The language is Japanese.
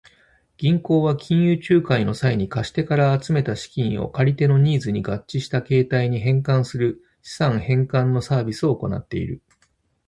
銀行は金融仲介の際に、貸し手から集めた資金を借り手のニーズに合致した形態に変換する資産変換のサービスを行っている。